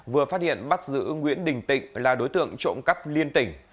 vừa phát hiện bắt giữ nguyễn đình tịnh là đối tượng trộm cắp liên tỉnh